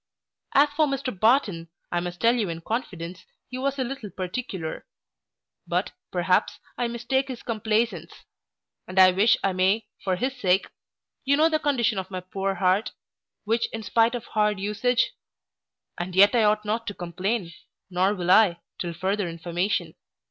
As for Mr Barton, I must tell you in confidence, he was a little particular; but, perhaps, I mistake his complaisance; and I wish I may, for his sake You know the condition of my poor heart: which, in spite of hard usage And yet I ought not to complain: nor will I, till farther information.